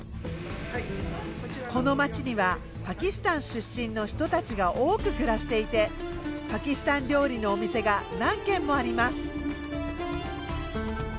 この街にはパキスタン出身の人たちが多く暮らしていてパキスタン料理のお店が何軒もあります。